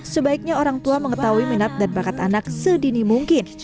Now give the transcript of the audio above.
sebaiknya orang tua mengetahui minat dan bakat anak sedini mungkin